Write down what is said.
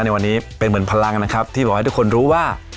ในวันนี้เป็นเหมือนพลังนะครับที่บอกให้ทุกคนรู้ว่า